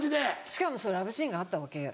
しかもラブシーンがあったわけ。